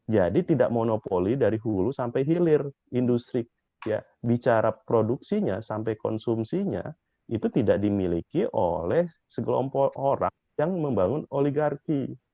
jadi tidak monopoli dari hulu sampai hilir industri bicara produksinya sampai konsumsinya itu tidak dimiliki oleh segelompol orang yang membangun oligarki